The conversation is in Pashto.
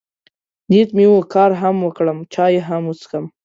نیت مې و، کار هم وکړم، چای هم وڅښم.